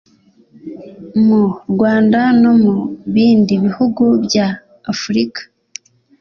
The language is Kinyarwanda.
mu Rwanda no mu bindi bihugu bya Afurika